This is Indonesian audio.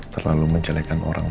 terlalu mencelekan orang pak